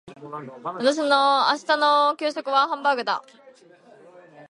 明日の給食はハンバーグだ。